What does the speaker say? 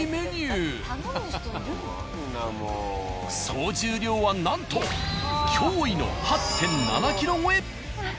総重量はなんと驚異の８．７ｋｇ超え！